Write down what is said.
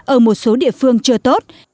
ở một số địa phương chưa tốt